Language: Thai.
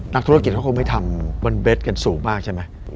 นักธุรกิจเขาคงไม่ทำวันเบสกันสูงมากใช่ไหม